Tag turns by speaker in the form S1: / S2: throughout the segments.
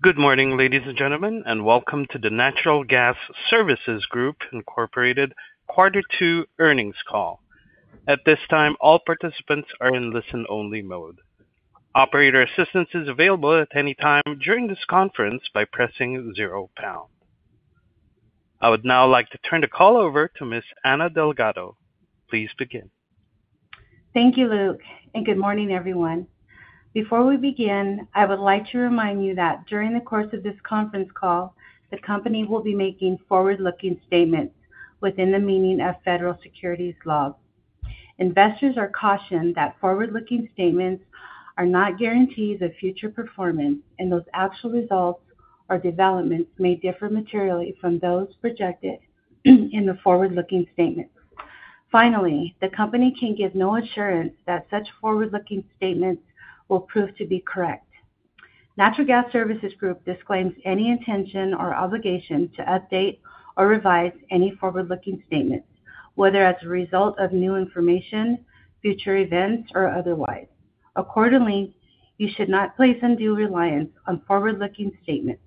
S1: Good morning, ladies and gentlemen, and welcome to the Natural Gas Services Group Incorporated Quarter Two Earnings Call. At this time, all participants are in listen-only mode. Operator assistance is available at any time during this conference by pressing zero pound. I would now like to turn the call over to Miss Anna Delgado. Please begin.
S2: Thank you, Luke, and good morning, everyone. Before we begin, I would like to remind you that during the course of this conference call, the company will be making forward-looking statements within the meaning of federal securities laws. Investors are cautioned that forward-looking statements are not guarantees of future performance, and those actual results or developments may differ materially from those projected in the forward-looking statements. Finally, the company can give no assurance that such forward-looking statements will prove to be correct. Natural Gas Services Group disclaims any intention or obligation to update or revise any forward-looking statements, whether as a result of new information, future events, or otherwise. Accordingly, you should not place undue reliance on forward-looking statements.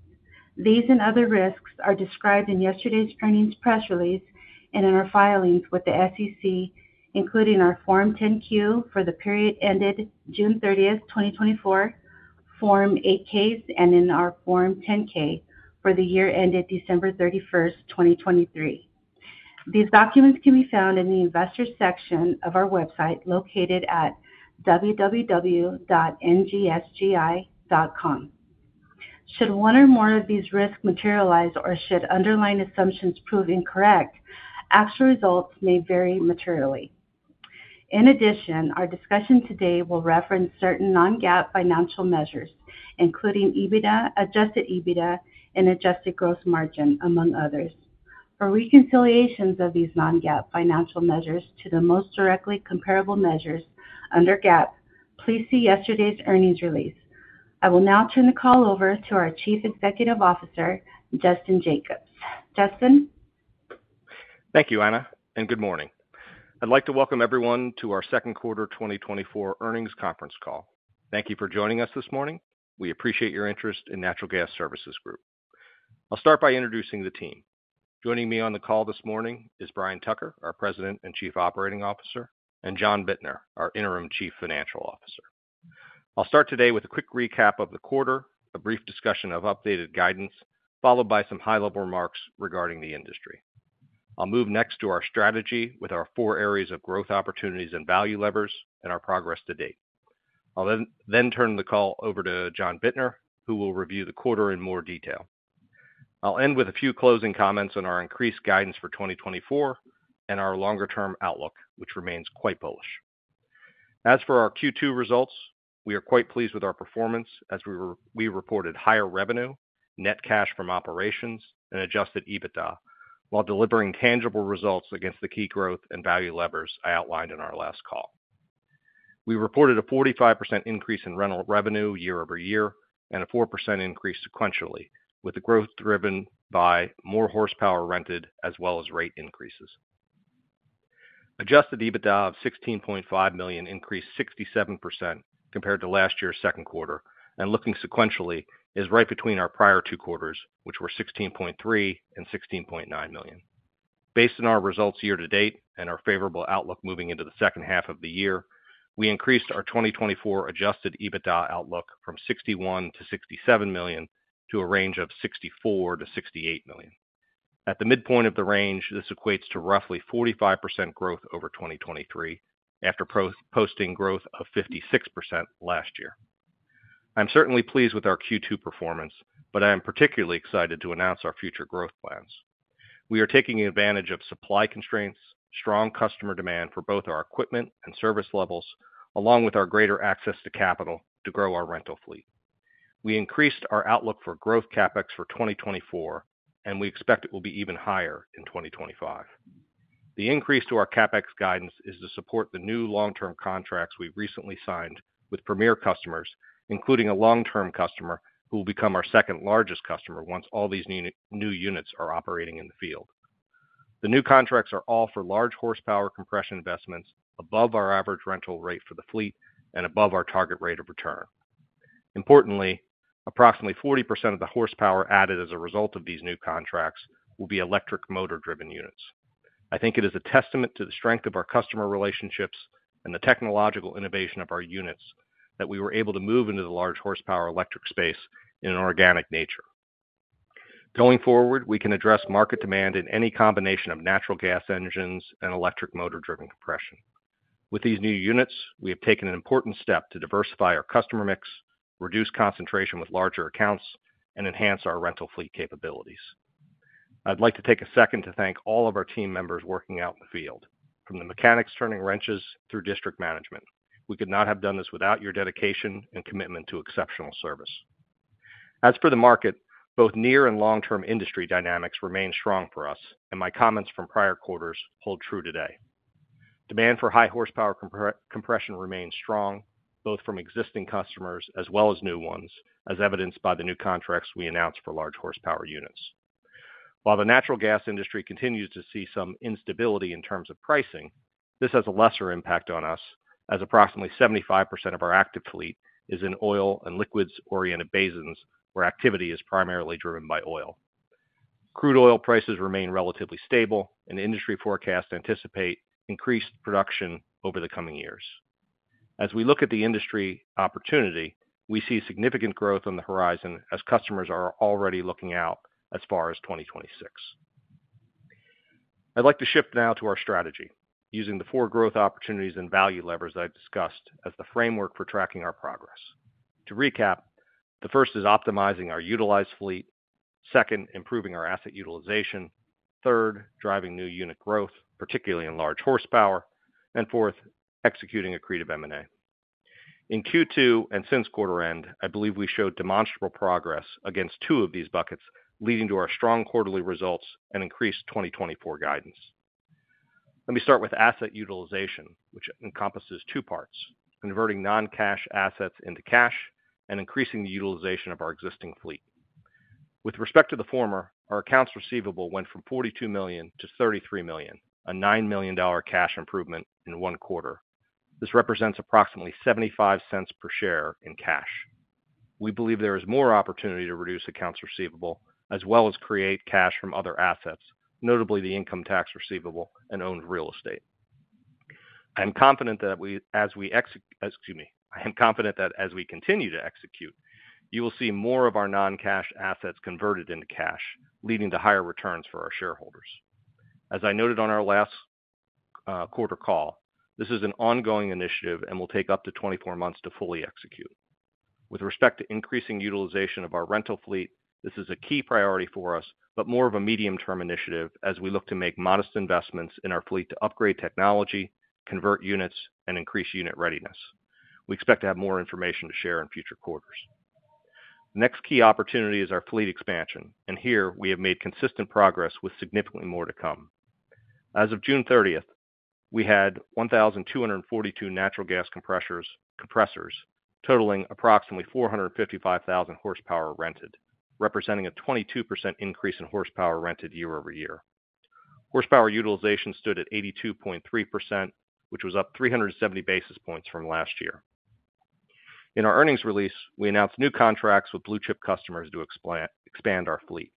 S2: These and other risks are described in yesterday's earnings press release and in our filings with the SEC, including our Form 10-Q for the period ended June 30, 2024, Form 8-Ks, and in our Form 10-K for the year ended December 31, 2023. These documents can be found in the Investors section of our website, located at www.ngsgi.com. Should one or more of these risks materialize or should underlying assumptions prove incorrect, actual results may vary materially. In addition, our discussion today will reference certain non-GAAP financial measures, including EBITDA, Adjusted EBITDA, and Adjusted Gross Margin, among others. For reconciliations of these non-GAAP financial measures to the most directly comparable measures under GAAP, please see yesterday's earnings release. I will now turn the call over to our Chief Executive Officer, Justin Jacobs. Justin?
S3: Thank you, Anna, and good morning. I'd like to welcome everyone to our second quarter 2024 earnings conference call. Thank you for joining us this morning. We appreciate your interest in Natural Gas Services Group. I'll start by introducing the team. Joining me on the call this morning is Brian Tucker, our President and Chief Operating Officer, and John Bittner, our interim Chief Financial Officer. I'll start today with a quick recap of the quarter, a brief discussion of updated guidance, followed by some high-level remarks regarding the industry. I'll move next to our strategy with our four areas of growth opportunities and value levers and our progress to date. I'll then turn the call over to John Bittner, who will review the quarter in more detail. I'll end with a few closing comments on our increased guidance for 2024 and our longer-term outlook, which remains quite bullish. As for our Q2 results, we are quite pleased with our performance as we reported higher revenue, net cash from operations, and Adjusted EBITDA, while delivering tangible results against the key growth and value levers I outlined in our last call. We reported a 45% increase in rental revenue year-over-year, and a 4% increase sequentially, with the growth driven by more horsepower rented as well as rate increases. Adjusted EBITDA of $16.5 million increased 67% compared to last year's second quarter, and looking sequentially, is right between our prior two quarters, which were $16.3 million and $16.9 million. Based on our results year to date and our favorable outlook moving into the second half of the year, we increased our 2024 Adjusted EBITDA outlook from $61 million-$67 million to a range of $64 million-$68 million. At the midpoint of the range, this equates to roughly 45% growth over 2023 after posting growth of 56% last year. I'm certainly pleased with our Q2 performance, but I am particularly excited to announce our future growth plans. We are taking advantage of supply constraints, strong customer demand for both our equipment and service levels, along with our greater access to capital to grow our rental fleet. We increased our outlook for growth CapEx for 2024, and we expect it will be even higher in 2025. The increase to our CapEx guidance is to support the new long-term contracts we've recently signed with premier customers, including a long-term customer who will become our second-largest customer once all these new units are operating in the field. The new contracts are all for large horsepower compression investments above our average rental rate for the fleet and above our target rate of return. Importantly, approximately 40% of the horsepower added as a result of these new contracts will be electric motor-driven units. I think it is a testament to the strength of our customer relationships and the technological innovation of our units that we were able to move into the large horsepower electric space in an organic nature. Going forward, we can address market demand in any combination of natural gas engines and electric motor-driven compression. With these new units, we have taken an important step to diversify our customer mix, reduce concentration with larger accounts, and enhance our rental fleet capabilities. I'd like to take a second to thank all of our team members working out in the field, from the mechanics turning wrenches through district management. We could not have done this without your dedication and commitment to exceptional service. As for the market, both near and long-term industry dynamics remain strong for us, and my comments from prior quarters hold true today. Demand for high horsepower compression remains strong, both from existing customers as well as new ones, as evidenced by the new contracts we announced for large horsepower units. While the natural gas industry continues to see some instability in terms of pricing, this has a lesser impact on us, as approximately 75% of our active fleet is in oil and liquids-oriented basins, where activity is primarily driven by oil. Crude oil prices remain relatively stable, and industry forecasts anticipate increased production over the coming years. As we look at the industry opportunity, we see significant growth on the horizon as customers are already looking out as far as 2026. I'd like to shift now to our strategy, using the four growth opportunities and value levers that I've discussed as the framework for tracking our progress. To recap, the first is optimizing our utilized fleet, second, improving our asset utilization, third, driving new unit growth, particularly in large horsepower, and fourth, executing accretive M&A. In Q2, and since quarter end, I believe we showed demonstrable progress against two of these buckets, leading to our strong quarterly results and increased 2024 guidance. Let me start with asset utilization, which encompasses two parts: converting non-cash assets into cash and increasing the utilization of our existing fleet. With respect to the former, our accounts receivable went from $42 million to $33 million, a $9 million cash improvement in one quarter. This represents approximately $0.75 per share in cash. We believe there is more opportunity to reduce accounts receivable, as well as create cash from other assets, notably the income tax receivable and owned real estate. I'm confident that as we continue to execute, you will see more of our non-cash assets converted into cash, leading to higher returns for our shareholders. As I noted on our last quarter call, this is an ongoing initiative and will take up to 24 months to fully execute. With respect to increasing utilization of our rental fleet, this is a key priority for us, but more of a medium-term initiative as we look to make modest investments in our fleet to upgrade technology, convert units, and increase unit readiness. We expect to have more information to share in future quarters. The next key opportunity is our fleet expansion, and here we have made consistent progress with significantly more to come. As of June 30th, we had 1,242 natural gas compressors, compressors totaling approximately 455,000 horsepower rented, representing a 22% increase in horsepower rented year-over-year. Horsepower utilization stood at 82.3%, which was up 370 basis points from last year. In our earnings release, we announced new contracts with blue chip customers to expand our fleet.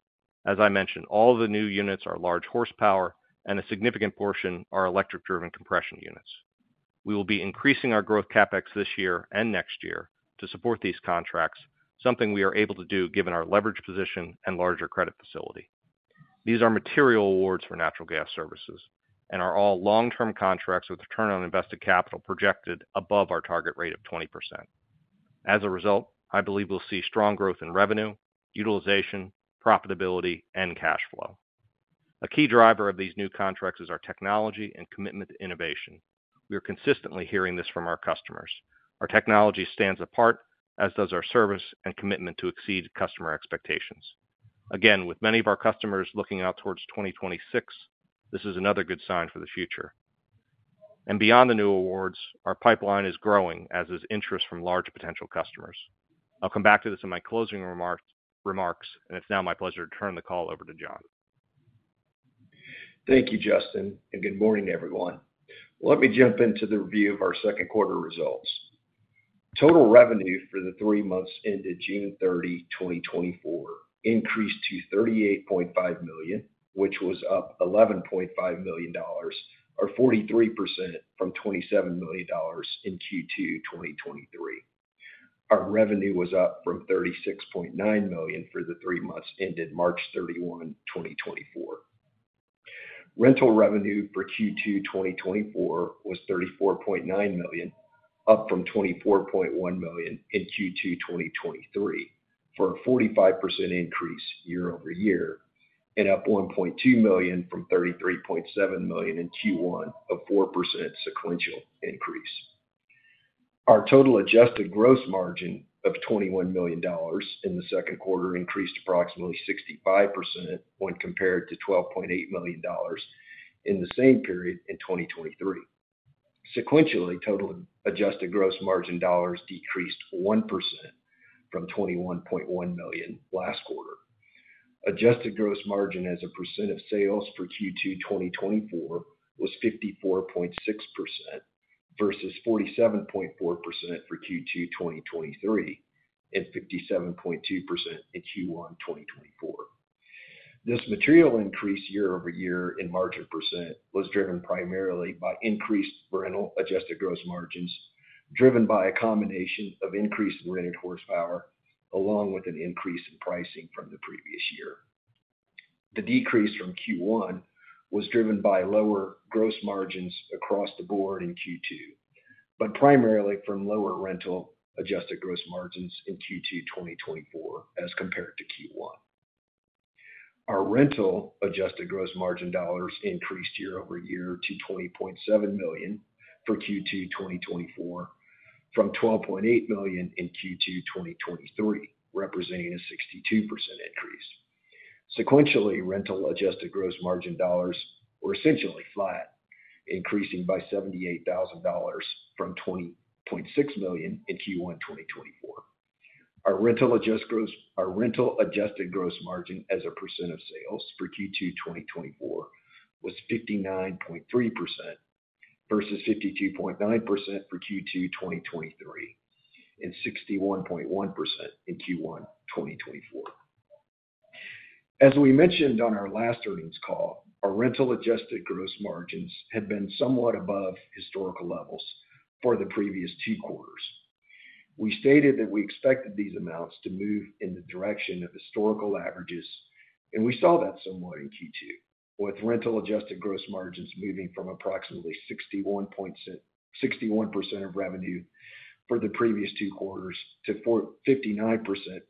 S3: As I mentioned, all of the new units are large horsepower, and a significant portion are electric-driven compression units. We will be increasing our growth CapEx this year and next year to support these contracts, something we are able to do given our leverage position and larger credit facility. These are material awards for Natural Gas Services and are all long-term contracts with return on invested capital projected above our target rate of 20%. As a result, I believe we'll see strong growth in revenue, utilization, profitability, and cash flow. A key driver of these new contracts is our technology and commitment to innovation. We are consistently hearing this from our customers. Our technology stands apart, as does our service and commitment to exceed customer expectations. Again, with many of our customers looking out towards 2026, this is another good sign for the future. Beyond the new awards, our pipeline is growing, as is interest from large potential customers. I'll come back to this in my closing remarks, remarks, and it's now my pleasure to turn the call over to John.
S4: Thank you, Justin, and good morning, everyone. Let me jump into the review of our second quarter results. Total revenue for the three months ended June 30, 2024, increased to $38.5 million, which was up $11.5 million, or 43%, from $27 million in Q2 2023. Our revenue was up from $36.9 million for the three months ended March 31, 2024. Rental revenue for Q2 2024 was $34.9 million, up from $24.1 million in Q2 2023, for a 45% increase year-over-year and up $1.2 million from $33.7 million in Q1, a 4% sequential increase. Our total Adjusted Gross Margin of $21 million in the second quarter increased approximately 65% when compared to $12.8 million in the same period in 2023. Sequentially, total Adjusted Gross Margin dollars decreased 1% from $21.1 million last quarter. Adjusted gross margin as a percent of sales for Q2 2024 was 54.6% versus 47.4% for Q2 2023, and 57.2% in Q1 2024. This material increase year over year in margin percent was driven primarily by increased rental Adjusted Gross Margins, driven by a combination of increased rented horsepower, along with an increase in pricing from the previous year. The decrease from Q1 was driven by lower gross margins across the board in Q2, but primarily from lower rental Adjusted Gross Margins in Q2 2024, as compared to Q1. Our rental Adjusted Gross Margin dollars increased year over year to $20.7 million for Q2 2024, from $12.8 million in Q2 2023, representing a 62% increase. Sequentially, rental Adjusted Gross Margin dollars were essentially flat, increasing by $78,000 from $20.6 million in Q1 2024. Our rental Adjusted Gross Margin as a percent of sales for Q2 2024 was 59.3%, versus 52.9% for Q2 2023, and 61.1% in Q1 2024. As we mentioned on our last earnings call, our rental Adjusted Gross Margins had been somewhat above historical levels for the previous two quarters. We stated that we expected these amounts to move in the direction of historical averages, and we saw that somewhat in Q2, with rental Adjusted Gross Margins moving from approximately 61.7%-61% of revenue for the previous two quarters to 59%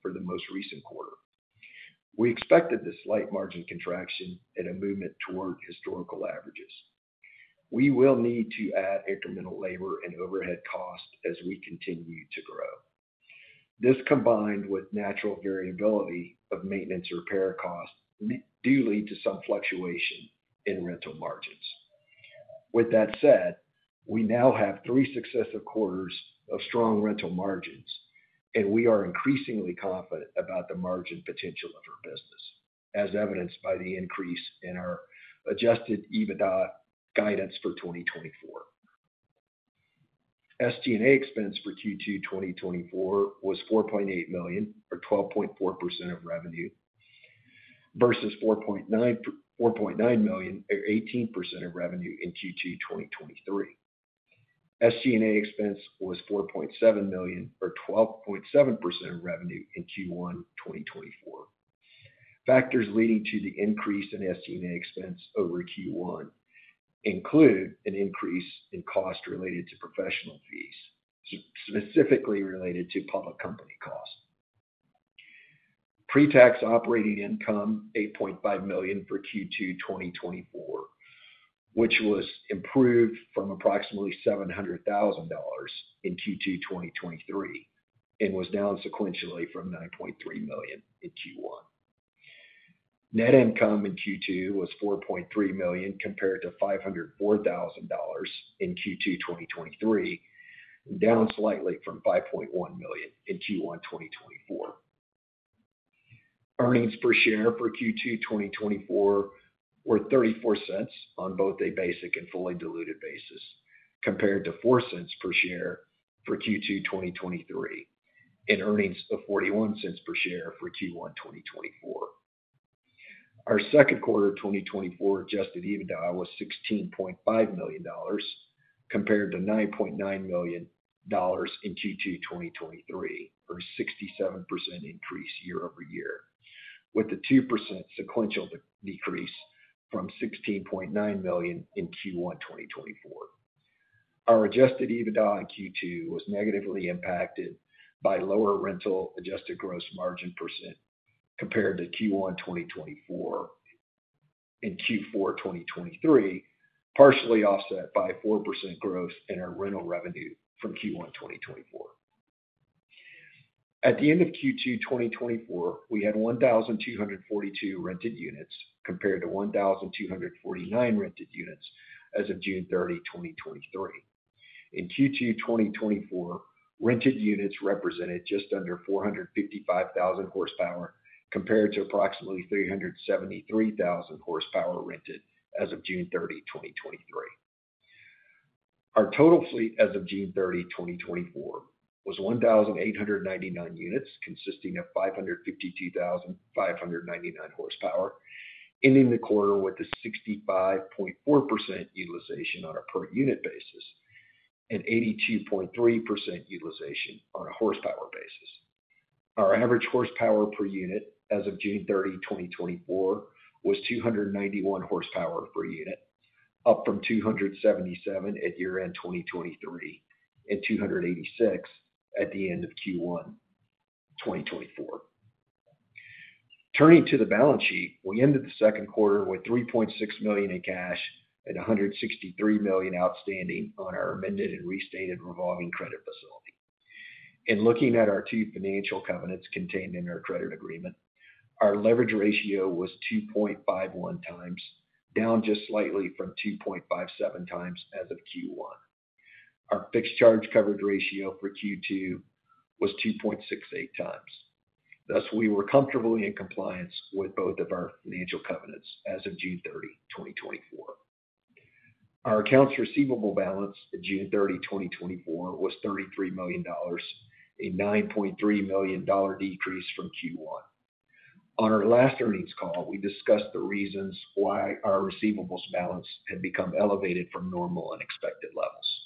S4: for the most recent quarter. We expected this slight margin contraction and a movement toward historical averages. We will need to add incremental labor and overhead costs as we continue to grow. This, combined with natural variability of maintenance repair costs, do lead to some fluctuation in rental margins. With that said, we now have 3 successive quarters of strong rental margins, and we are increasingly confident about the margin potential of our business, as evidenced by the increase in our adjusted EBITDA guidance for 2024. SG&A expense for Q2 2024 was $4.8 million, or 12.4% of revenue, versus $4.9, $4.9 million, or 18% of revenue in Q2 2023. SG&A expense was $4.7 million, or 12.7% of revenue in Q1 2024. Factors leading to the increase in SG&A expense over Q1 include an increase in cost related to professional fees, specifically related to public company costs. Pre-tax operating income, $8.5 million for Q2 2024, which was improved from approximately $700,000 in Q2 2023, and was down sequentially from $9.3 million in Q1. Net income in Q2 was $4.3 million, compared to $504,000 in Q2 2023, down slightly from $5.1 million in Q1 2024. Earnings per share for Q2 2024 were $0.34 on both a basic and fully diluted basis, compared to $0.04 per share for Q2 2023, and earnings of $0.41 per share for Q1 2024. Our second quarter 2024 adjusted EBITDA was $16.5 million, compared to $9.9 million in Q2 2023, or 67% increase year-over-year, with a 2% sequential decrease from $16.9 million in Q1 2024. Our adjusted EBITDA in Q2 was negatively impacted by lower rental Adjusted Gross Margin % compared to Q1 2024 and Q4 2023, partially offset by 4% growth in our rental revenue from Q1 2024. At the end of Q2 2024, we had 1,242 rented units, compared to 1,249 rented units as of June 30, 2023. In Q2 2024, rented units represented just under 455,000 horsepower, compared to approximately 373,000 horsepower rented as of June 30, 2023. Our total fleet as of June 30, 2024, was 1,899 units, consisting of 552,599 horsepower, ending the quarter with a 65.4% utilization on a per unit basis, and 82.3% utilization on a horsepower basis. Our average horsepower per unit as of June 30, 2024, was 291 horsepower per unit, up from 277 at year-end 2023, and 286 at the end of Q1 2024. Turning to the balance sheet, we ended the second quarter with $3.6 million in cash and $163 million outstanding on our amended and restated revolving credit facility. In looking at our two financial covenants contained in our credit agreement, our leverage ratio was 2.51 times, down just slightly from 2.57 times as of Q1. Our fixed charge coverage ratio for Q2 was 2.68 times. Thus, we were comfortably in compliance with both of our financial covenants as of June 30, 2024. Our accounts receivable balance at June 30, 2024, was $33 million, a $9.3 million decrease from Q1. On our last earnings call, we discussed the reasons why our receivables balance had become elevated from normal and expected levels.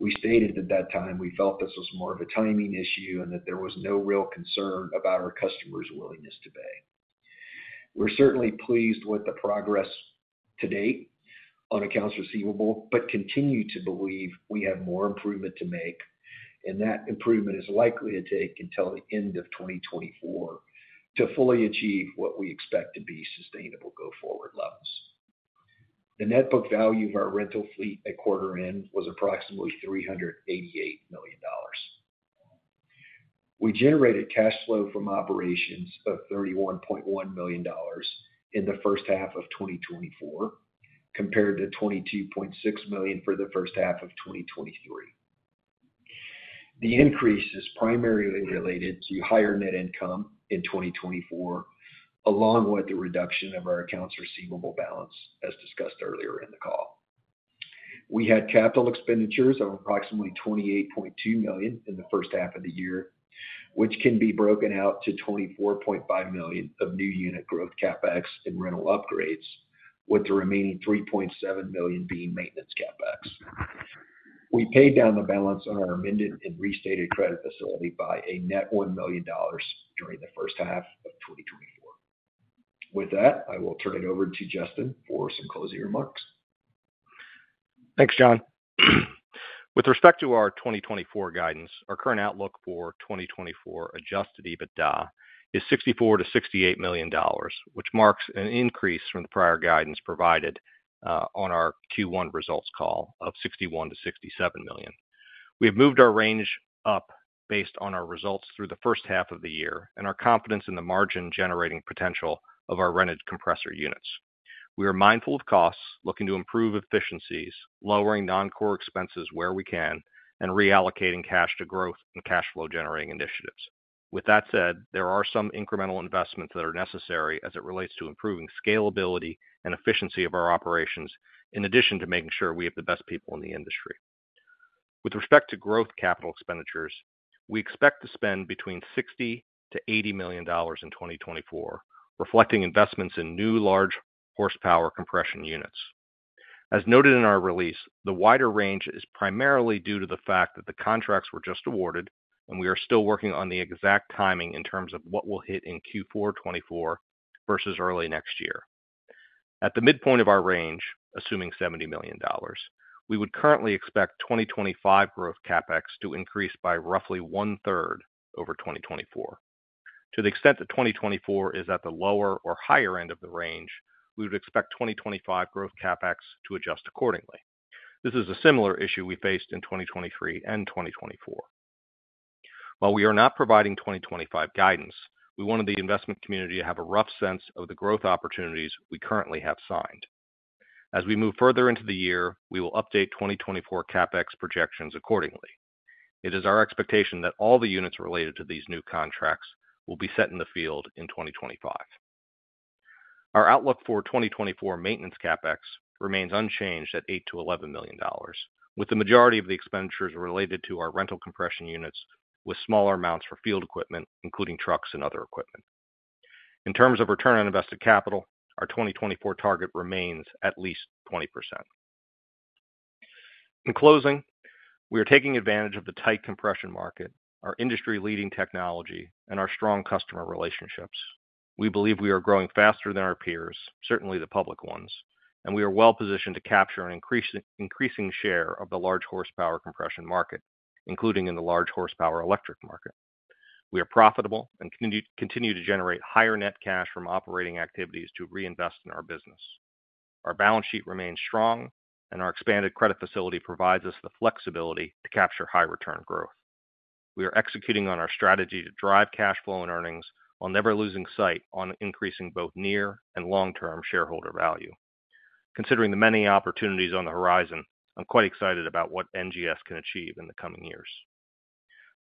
S4: We stated at that time, we felt this was more of a timing issue, and that there was no real concern about our customers' willingness to pay. We're certainly pleased with the progress to date on accounts receivable, but continue to believe we have more improvement to make, and that improvement is likely to take until the end of 2024 to fully achieve what we expect to be sustainable go-forward levels. The net book value of our rental fleet at quarter end was approximately $388 million. We generated cash flow from operations of $31.1 million in the first half of 2024... compared to $22.6 million for the first half of 2023. The increase is primarily related to higher net income in 2024, along with the reduction of our accounts receivable balance, as discussed earlier in the call. We had capital expenditures of approximately $28.2 million in the first half of the year, which can be broken out to $24.5 million of new unit growth CapEx and rental upgrades, with the remaining $3.7 million being maintenance CapEx. We paid down the balance on our amended and restated credit facility by a net $1 million during the first half of 2024. With that, I will turn it over to Justin for some closing remarks.
S3: Thanks, John. With respect to our 2024 guidance, our current outlook for 2024 Adjusted EBITDA is $64 million-$68 million, which marks an increase from the prior guidance provided on our Q1 results call of $61 million-$67 million. We have moved our range up based on our results through the first half of the year and our confidence in the margin-generating potential of our rented compressor units. We are mindful of costs, looking to improve efficiencies, lowering non-core expenses where we can, and reallocating cash to growth and cash flow generating initiatives. With that said, there are some incremental investments that are necessary as it relates to improving scalability and efficiency of our operations, in addition to making sure we have the best people in the industry. With respect to growth capital expenditures, we expect to spend between $60-$80 million in 2024, reflecting investments in new large horsepower compression units. As noted in our release, the wider range is primarily due to the fact that the contracts were just awarded, and we are still working on the exact timing in terms of what will hit in Q4 2024 versus early next year. At the midpoint of our range, assuming $70 million, we would currently expect 2025 growth CapEx to increase by roughly one-third over 2024. To the extent that 2024 is at the lower or higher end of the range, we would expect 2025 growth CapEx to adjust accordingly. This is a similar issue we faced in 2023 and 2024. While we are not providing 2025 guidance, we wanted the investment community to have a rough sense of the growth opportunities we currently have signed. As we move further into the year, we will update 2024 CapEx projections accordingly. It is our expectation that all the units related to these new contracts will be set in the field in 2025. Our outlook for 2024 maintenance CapEx remains unchanged at $8 million-$11 million, with the majority of the expenditures related to our rental compression units, with smaller amounts for field equipment, including trucks and other equipment. In terms of return on invested capital, our 2024 target remains at least 20%. In closing, we are taking advantage of the tight compression market, our industry-leading technology, and our strong customer relationships. We believe we are growing faster than our peers, certainly the public ones, and we are well positioned to capture an increasing share of the large horsepower compression market, including in the large horsepower electric market. We are profitable and continue to generate higher net cash from operating activities to reinvest in our business. Our balance sheet remains strong, and our expanded credit facility provides us the flexibility to capture high return growth. We are executing on our strategy to drive cash flow and earnings while never losing sight on increasing both near and long-term shareholder value. Considering the many opportunities on the horizon, I'm quite excited about what NGS can achieve in the coming years.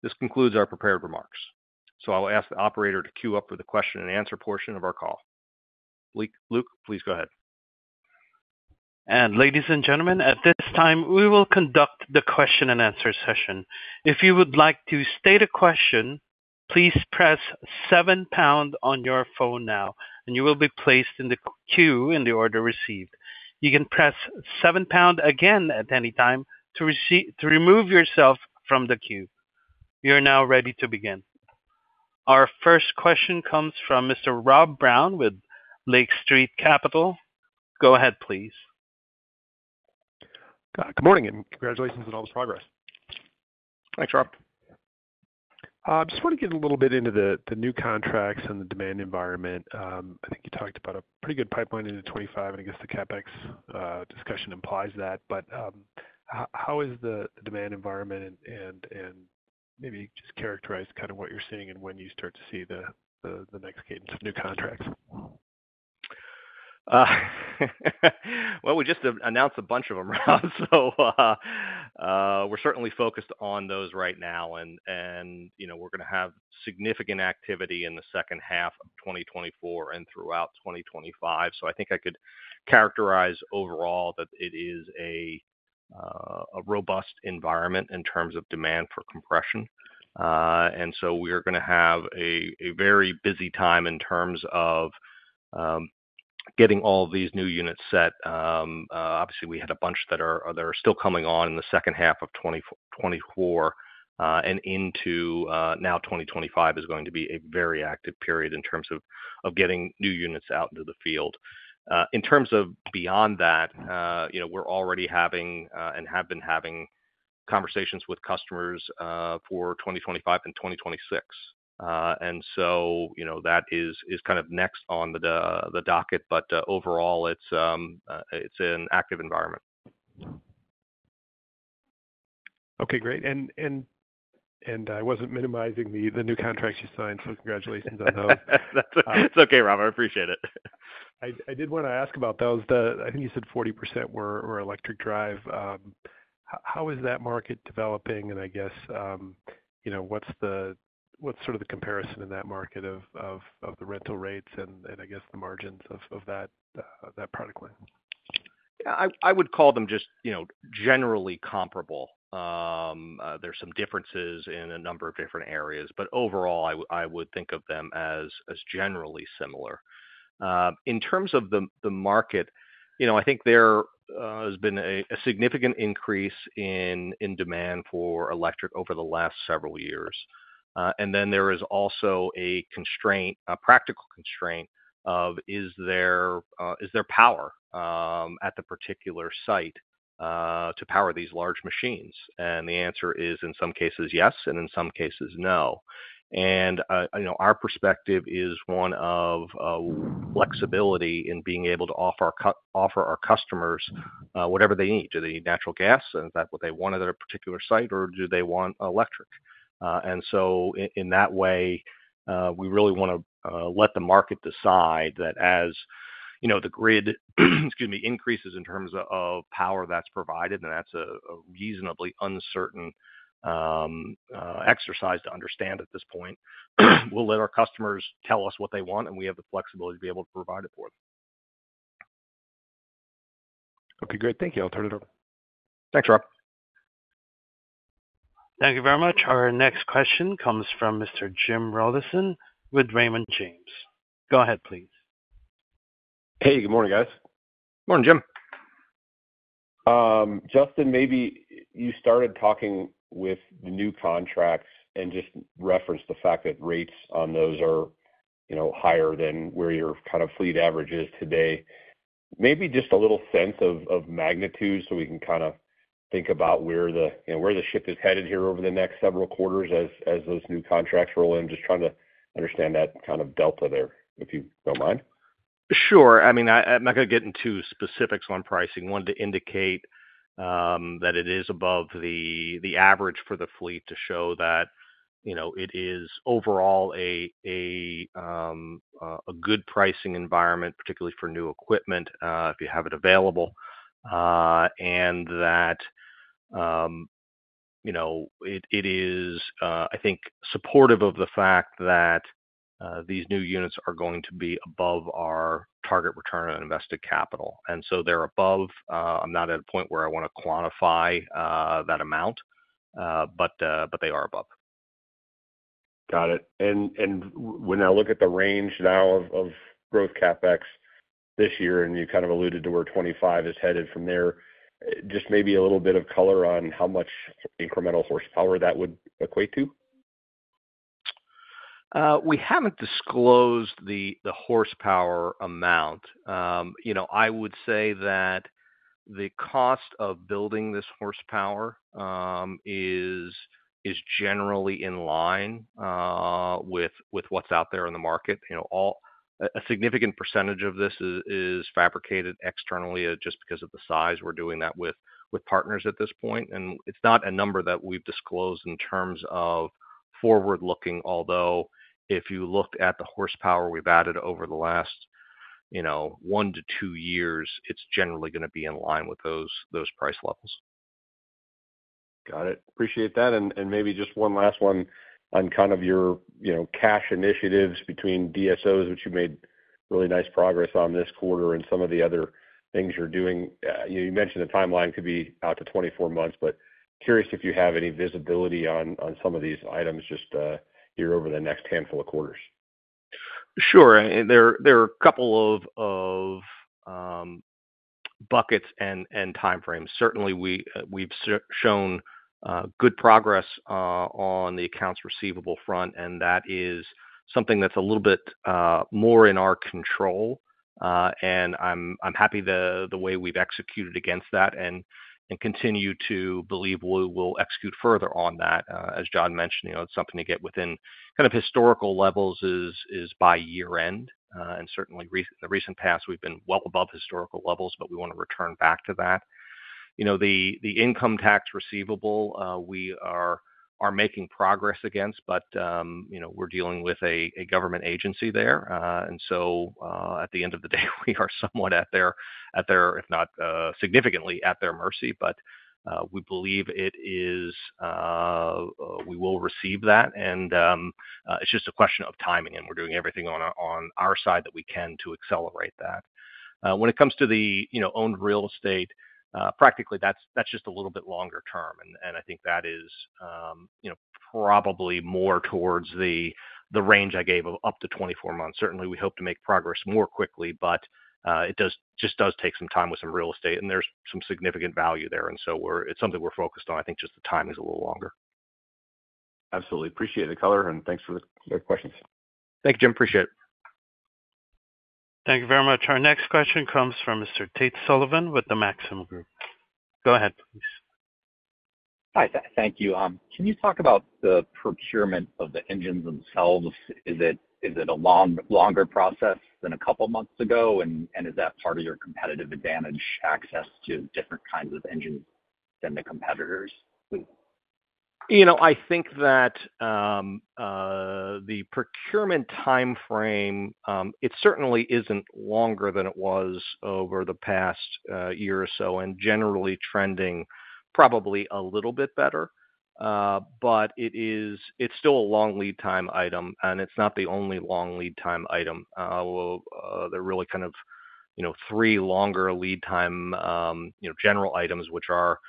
S3: This concludes our prepared remarks, so I'll ask the operator to queue up for the question and answer portion of our call. Luke, Luke, please go ahead.
S1: Ladies and gentlemen, at this time, we will conduct the question and answer session. If you would like to state a question, please press seven, pound on your phone now and you will be placed in the queue in the order received. You can press seven, pound again at any time to remove yourself from the queue. We are now ready to begin. Our first question comes from Mr. Rob Brown with Lake Street Capital. Go ahead, please.
S5: Good morning and congratulations on all this progress.
S3: Thanks, Rob.
S5: Just want to get a little bit into the new contracts and the demand environment. I think you talked about a pretty good pipeline into 2025, and I guess the CapEx discussion implies that. But how is the demand environment? And maybe just characterize kind of what you're seeing and when you start to see the next cadence of new contracts.
S3: Well, we just announced a bunch of them, Rob, so, we're certainly focused on those right now. And you know, we're gonna have significant activity in the second half of 2024 and throughout 2025. So I think I could characterize overall that it is a robust environment in terms of demand for compression. And so we are gonna have a very busy time in terms of getting all these new units set. Obviously, we had a bunch that are still coming on in the second half of 2024, and into now 2025 is going to be a very active period in terms of getting new units out into the field. In terms of beyond that, you know, we're already having, and have been having conversations with customers, for 2025 and 2026. And so, you know, that is, is kind of next on the, the docket, but, overall it's, it's an active environment....
S5: Okay, great. And I wasn't minimizing the new contracts you signed, so congratulations on those.
S3: It's okay, Rob, I appreciate it.
S5: I did wanna ask about those. I think you said 40% were electric drive. How is that market developing? And I guess, you know, what's sort of the comparison in that market of the rental rates and I guess the margins of that product line?
S3: Yeah, I would call them just, you know, generally comparable. There's some differences in a number of different areas, but overall, I would think of them as generally similar. In terms of the market, you know, I think there has been a significant increase in demand for electric over the last several years. And then there is also a constraint, a practical constraint of, is there power at the particular site to power these large machines? And the answer is, in some cases, yes, and in some cases, no. And you know, our perspective is one of flexibility in being able to offer our customers whatever they need. Do they need natural gas, and is that what they want at a particular site, or do they want electric? And so in that way, we really wanna let the market decide that as, you know, the grid, excuse me, increases in terms of power that's provided, and that's a reasonably uncertain exercise to understand at this point. We'll let our customers tell us what they want, and we have the flexibility to be able to provide it for them.
S5: Okay, great. Thank you. I'll turn it over.
S3: Thanks, Rob.
S1: Thank you very much. Our next question comes from Mr. Jim Rollyson with Raymond James. Go ahead, please.
S6: Hey, good morning, guys.
S3: Morning, Jim.
S6: Justin, maybe you started talking with the new contracts and just referenced the fact that rates on those are, you know, higher than where your kind of fleet average is today. Maybe just a little sense of magnitude, so we can kinda think about where the, you know, ship is headed here over the next several quarters as those new contracts roll in. Just trying to understand that kind of delta there, if you don't mind.
S3: Sure. I mean, I'm not gonna get into specifics on pricing. Wanted to indicate that it is above the average for the fleet to show that, you know, it is overall a good pricing environment, particularly for new equipment, if you have it available. And that, you know, it is, I think, supportive of the fact that these new units are going to be above our target return on invested capital. And so they're above, I'm not at a point where I wanna quantify that amount, but, but they are above.
S6: Got it. And when I look at the range now of growth CapEx this year, and you kind of alluded to where 25 is headed from there, just maybe a little bit of color on how much incremental horsepower that would equate to?
S3: We haven't disclosed the horsepower amount. You know, I would say that the cost of building this horsepower is generally in line with what's out there in the market. You know, a significant percentage of this is fabricated externally just because of the size we're doing that with partners at this point. It's not a number that we've disclosed in terms of forward-looking, although if you looked at the horsepower we've added over the last 1-2 years, it's generally gonna be in line with those price levels.
S6: Got it. Appreciate that, and, and maybe just one last one on kind of your, you know, cash initiatives between DSOs, which you made really nice progress on this quarter, and some of the other things you're doing. You know, you mentioned the timeline could be out to 24 months, but curious if you have any visibility on, on some of these items just here over the next handful of quarters.
S3: Sure. There are a couple of buckets and time frames. Certainly, we've shown good progress on the accounts receivable front, and that is something that's a little bit more in our control. And I'm happy the way we've executed against that and continue to believe we will execute further on that. As John mentioned, you know, it's something to get within kind of historical levels by year end. And certainly in the recent past, we've been well above historical levels, but we wanna return back to that. You know, the income tax receivable, we are making progress against, but, you know, we're dealing with a government agency there. And so, at the end of the day, we are somewhat at their mercy, if not significantly at their mercy, but we believe it is... we will receive that, and it's just a question of timing, and we're doing everything on our side that we can to accelerate that. When it comes to the, you know, owned real estate, practically, that's just a little bit longer term, and I think that is, you know, probably more towards the range I gave of up to 24 months. Certainly, we hope to make progress more quickly, but it does, just does take some time with some real estate, and there's some significant value there. And so we're. It's something we're focused on. I think just the timing is a little longer.
S6: Absolutely. Appreciate the color, and thanks for the great questions.
S3: Thank you, Jim. Appreciate it.
S1: Thank you very much. Our next question comes from Mr. Tate Sullivan with the Maxim Group. Go ahead, please.
S7: Hi, thank you. Can you talk about the procurement of the engines themselves? Is it a longer process than a couple of months ago? And is that part of your competitive advantage, access to different kinds of engines than the competitors? ...
S3: You know, I think that the procurement timeframe it certainly isn't longer than it was over the past year or so, and generally trending probably a little bit better. But it is, it's still a long lead time item, and it's not the only long lead time item. Well, there are really kind of, you know, three longer lead time, you know, general items, which are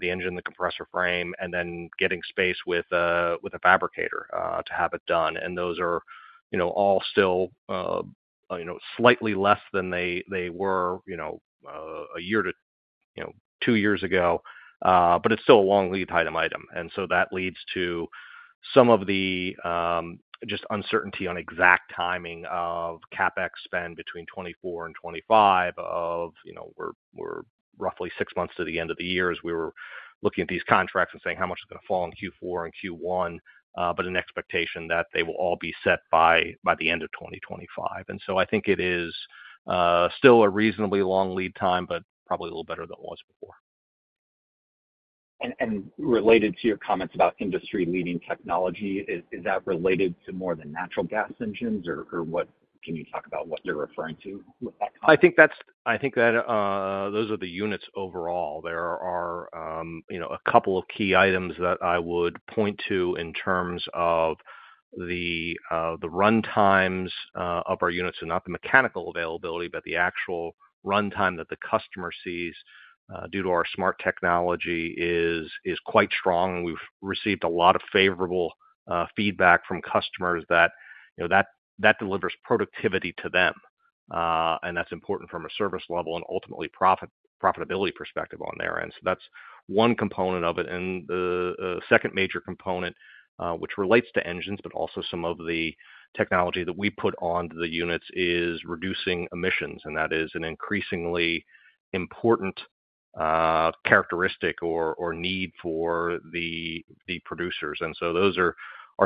S3: the engine, the compressor frame, and then getting space with a, with a fabricator to have it done. And those are, you know, all still, you know, slightly less than they, they were, you know, a year to, you know, two years ago. But it's still a long lead time item. And so that leads to some of the just uncertainty on exact timing of CapEx spend between 24 and 25 of, you know, we're roughly six months to the end of the year as we were looking at these contracts and saying, how much is going to fall in Q4 and Q1? But an expectation that they will all be set by the end of 2025. And so I think it is still a reasonably long lead time, but probably a little better than it was before.
S7: Related to your comments about industry-leading technology, is that related to more than natural gas engines, or what, can you talk about what you're referring to with that comment?
S3: I think that those are the units overall. There are, you know, a couple of key items that I would point to in terms of the runtimes of our units, and not the mechanical availability, but the actual runtime that the customer sees due to our smart technology is quite strong. We've received a lot of favorable feedback from customers that, you know, that delivers productivity to them, and that's important from a service level and ultimately, profitability perspective on their end. So that's one component of it. And the second major component, which relates to engines, but also some of the technology that we put on the units, is reducing emissions, and that is an increasingly important characteristic or need for the producers. And so those are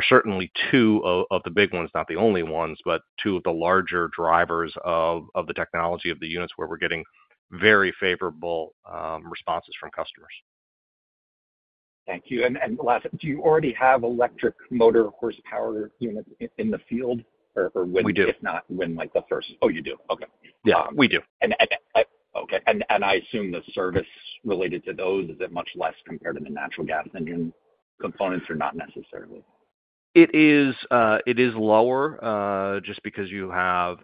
S3: certainly two of the big ones, not the only ones, but two of the larger drivers of the technology of the units, where we're getting very favorable responses from customers.
S7: Thank you. And last, do you already have electric motor horsepower units in the field? Or when-
S3: We do.
S7: If not, when might the first... Oh, you do? Okay.
S3: Yeah, we do.
S7: Okay, I assume the service related to those is that much less compared to the natural gas engine components, or not necessarily?
S3: It is, it is lower, just because you have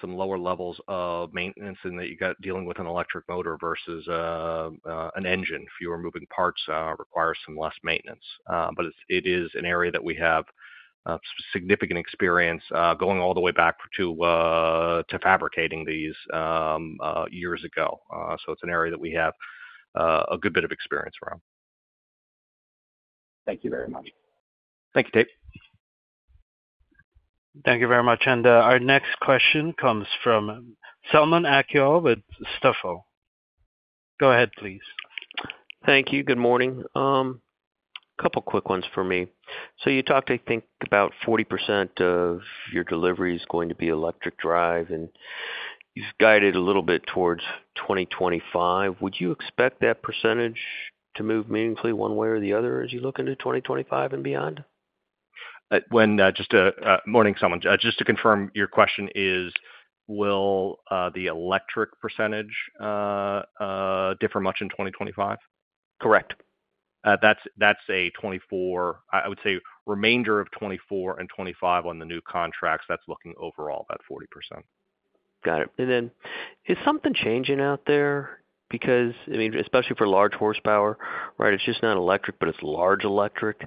S3: some lower levels of maintenance and that you got dealing with an electric motor versus an engine. Fewer moving parts requires some less maintenance. But it's, it is an area that we have significant experience, going all the way back to to fabricating these years ago. So it's an area that we have a good bit of experience around.
S7: Thank you very much.
S3: Thank you, Tate.
S1: Thank you very much. Our next question comes from Selman Akyol with Stifel. Go ahead, please.
S8: Thank you. Good morning. A couple quick ones for me. So you talked, I think about 40% of your delivery is going to be electric drive, and you've guided a little bit towards 2025. Would you expect that percentage to move meaningfully one way or the other as you look into 2025 and beyond?
S3: Morning, Selman. Just to confirm, your question is, will the electric percentage differ much in 2025?
S8: Correct.
S3: That's, that's a 2024—I would say remainder of 2024 and 2025 on the new contracts, that's looking overall, about 40%.
S8: Got it. And then, is something changing out there? Because, I mean, especially for large horsepower, right, it's just not electric, but it's large electric.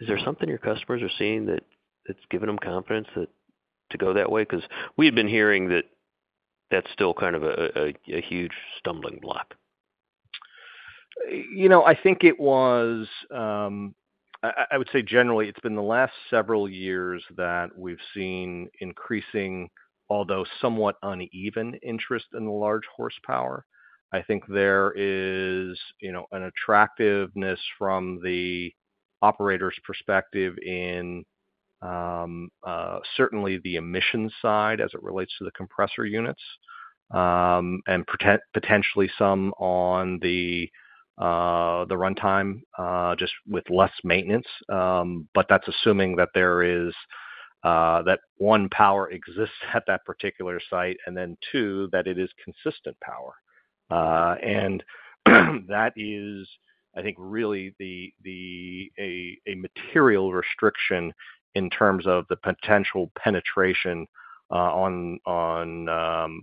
S8: Is there something your customers are seeing that it's giving them confidence that, to go that way? Because we've been hearing that that's still kind of a huge stumbling block.
S3: You know, I think it was, I would say generally, it's been the last several years that we've seen increasing, although somewhat uneven interest in the large horsepower. I think there is, you know, an attractiveness from the operator's perspective in certainly the emission side as it relates to the compressor units, and potentially some on the runtime just with less maintenance. But that's assuming that there is, one, power exists at that particular site, and then two, that it is consistent power. And that is, I think, really a material restriction in terms of the potential penetration on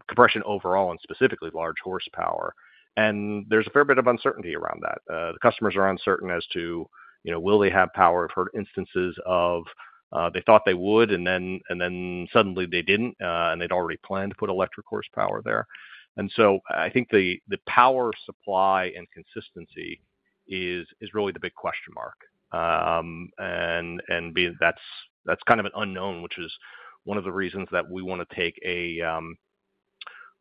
S3: compression overall and specifically large horsepower. And there's a fair bit of uncertainty around that. The customers are uncertain as to, you know, will they have power? I've heard instances of they thought they would, and then suddenly they didn't, and they'd already planned to put electric horsepower there. And so I think the power supply and consistency is really the big question mark. And that's kind of an unknown, which is one of the reasons that we want to take a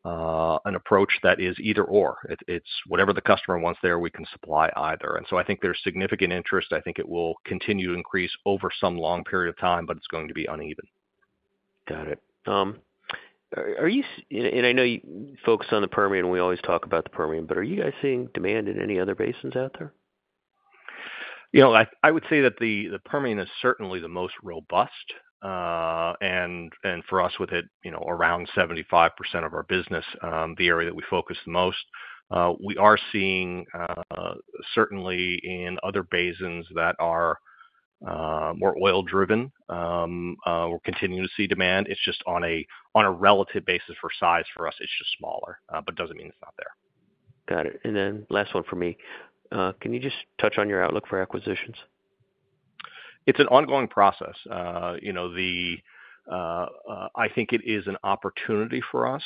S3: an approach that is either/or. It's whatever the customer wants there, we can supply either. And so I think there's significant interest. I think it will continue to increase over some long period of time, but it's going to be uneven....
S8: Got it. Are you, and I know you focus on the Permian, we always talk about the Permian, but are you guys seeing demand in any other basins out there?
S3: You know, I would say that the Permian is certainly the most robust, and for us, with it, you know, around 75% of our business, the area that we focus the most. We are seeing certainly in other basins that are more oil driven, we're continuing to see demand. It's just on a relative basis for size, for us, it's just smaller, but doesn't mean it's not there.
S8: Got it. And then last one for me. Can you just touch on your outlook for acquisitions?
S3: It's an ongoing process. You know, I think it is an opportunity for us,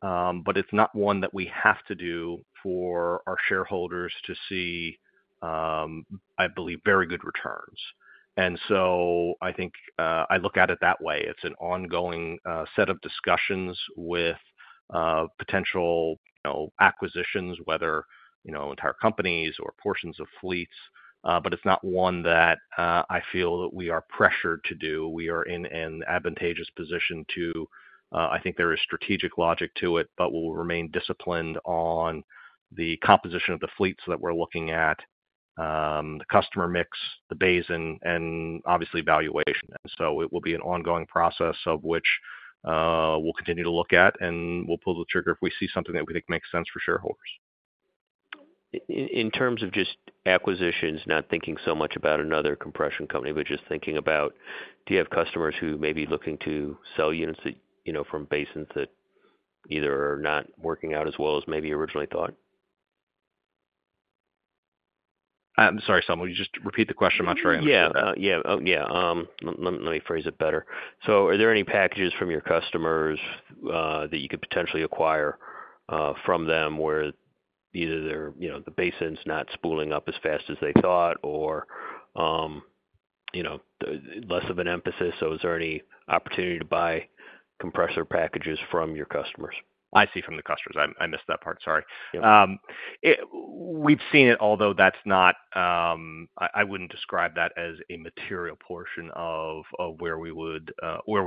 S3: but it's not one that we have to do for our shareholders to see, I believe, very good returns. So I think I look at it that way. It's an ongoing set of discussions with potential, you know, acquisitions, whether, you know, entire companies or portions of fleets, but it's not one that I feel that we are pressured to do. We are in an advantageous position to, I think there is strategic logic to it, but we'll remain disciplined on the composition of the fleets that we're looking at, the customer mix, the basin, and obviously valuation. And so it will be an ongoing process of which we'll continue to look at, and we'll pull the trigger if we see something that we think makes sense for shareholders.
S8: In terms of just acquisitions, not thinking so much about another compression company, but just thinking about, do you have customers who may be looking to sell units that, you know, from basins that either are not working out as well as maybe originally thought?
S3: I'm sorry, Selman, would you just repeat the question? I'm not sure I understood that.
S8: Yeah. Yeah, let me phrase it better. So are there any packages from your customers that you could potentially acquire from them, where either they're, you know, the basin's not spooling up as fast as they thought or, you know, less of an emphasis? So is there any opportunity to buy compressor packages from your customers?
S3: I see, from the customers. I, I missed that part. Sorry.
S8: Yeah.
S3: We've seen it, although that's not... I wouldn't describe that as a material portion of where we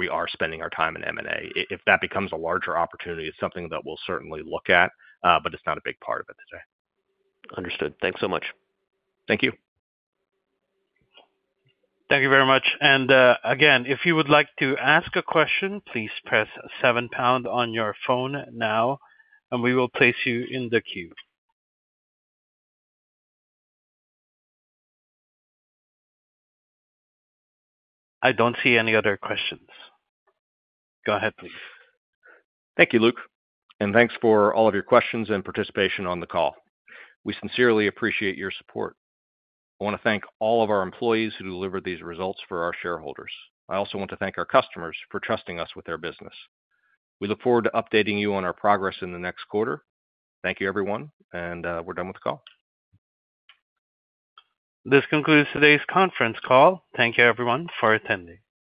S3: are spending our time in M&A. If that becomes a larger opportunity, it's something that we'll certainly look at, but it's not a big part of it today.
S8: Understood. Thanks so much.
S3: Thank you.
S1: Thank you very much. And, again, if you would like to ask a question, please press seven pound on your phone now, and we will place you in the queue. I don't see any other questions. Go ahead, please.
S3: Thank you, Luke, and thanks for all of your questions and participation on the call. We sincerely appreciate your support. I want to thank all of our employees who delivered these results for our shareholders. I also want to thank our customers for trusting us with their business. We look forward to updating you on our progress in the next quarter. Thank you, everyone, and we're done with the call.
S1: This concludes today's conference call. Thank you, everyone, for attending.